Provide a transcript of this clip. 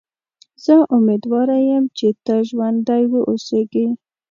زه امیدوار یم چې ته ژوندی و اوسېږې.